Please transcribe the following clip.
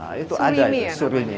nah itu anda itu surimi